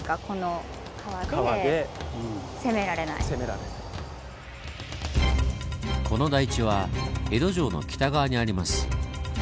来てもこの台地は江戸城の北側にあります。